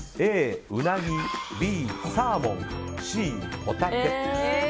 Ａ、ウナギＢ、サーモンＣ、ホタテ。